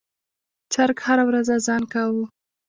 چرګ هره ورځ اذان کاوه.